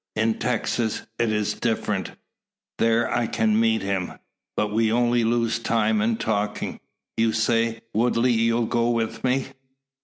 In Texas it is different. There, if I can meet him . But we only lose time in talking. You say, Woodley, you'll go with me?"